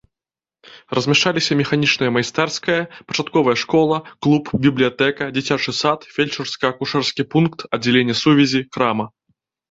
Размяшчаліся механічная майстэрская, пачатковая школа, клуб, бібліятэка, дзіцячы сад, фельчарска-акушэрскі пункт, аддзяленне сувязі, крама.